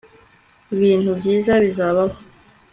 bintu byiza bizabaho